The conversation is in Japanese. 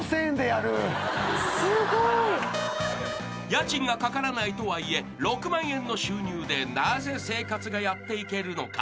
［家賃がかからないとはいえ６万円の収入でなぜ生活がやっていけるのか？］